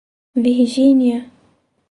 Virgínia